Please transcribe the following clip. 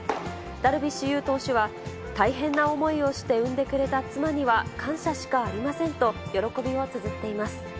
ダルビッシュ有投手は、大変な思いをして産んでくれ妻には感謝しかありませんと、喜びをつづっています。